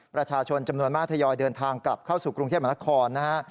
ประชาชนจำนวนมากทยอยเดินทางกลับเข้าสู่กรุงเทพมหานครนะฮะ